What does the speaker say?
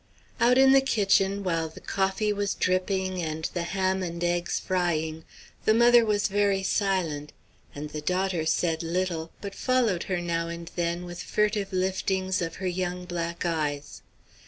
Out in the kitchen, while the coffee was dripping and the ham and eggs frying, the mother was very silent, and the daughter said little, but followed her now and then with furtive liftings of her young black eyes.